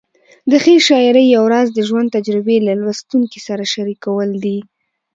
د ښې شاعرۍ یو راز د ژوند تجربې له لوستونکي سره شریکول دي.